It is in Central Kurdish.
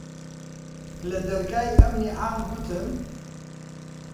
لە دەرگای ئەمنی عام گوتم: